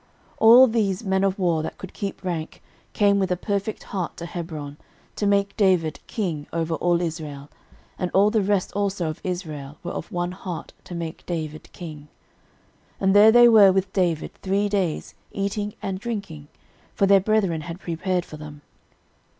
13:012:038 All these men of war, that could keep rank, came with a perfect heart to Hebron, to make David king over all Israel: and all the rest also of Israel were of one heart to make David king. 13:012:039 And there they were with David three days, eating and drinking: for their brethren had prepared for them.